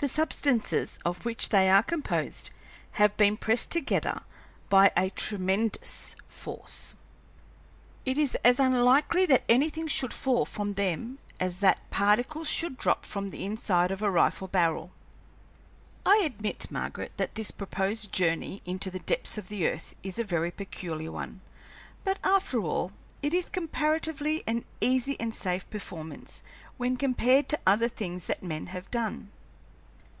The substances of which they are composed have been pressed together by a tremendous force. It is as unlikely that anything should fall from them as that particles should drop from the inside of a rifle barrel. "I admit, Margaret, that this proposed journey into the depths of the earth is a very peculiar one, but, after all, it is comparatively an easy and safe performance when compared to other things that men have done.